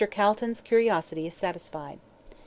CALTON'S CURIOSITY IS SATISFIED.